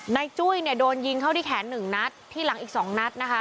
จุ้ยเนี่ยโดนยิงเข้าที่แขน๑นัดที่หลังอีก๒นัดนะคะ